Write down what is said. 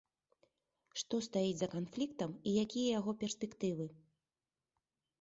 Што стаіць за канфліктам, і якія яго перспектывы?